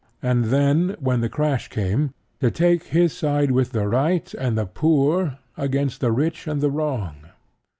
and then, when the crash came, to take his side with the right and the poor against the rich and the wrong.